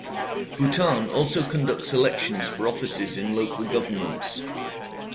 Bhutan also conducts elections for offices in local governments.